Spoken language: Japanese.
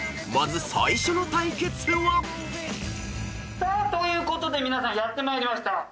［まず最初の対決は］ということでやってまいりました。